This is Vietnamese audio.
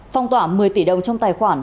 phong tỏa một mươi tỷ đồng trong tài khoản